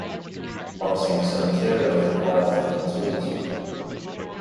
Harvesting some materials requires different tools.